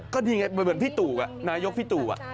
ก็นี่ไงเหมือนพี่ตู่นายกพี่ตู่